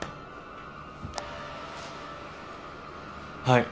はい。